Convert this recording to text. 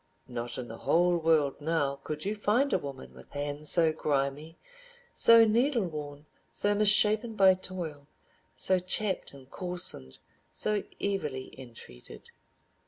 Not in the whole world now could you find a woman with hands so grimy, so needle worn, so misshapen by toil, so chapped and coarsened, so evilly entreated.